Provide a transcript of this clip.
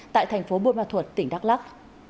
tại thành phố buôn ma thuột tỉnh đắk lắc